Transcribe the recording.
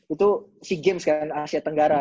itu sea games kan asia tenggara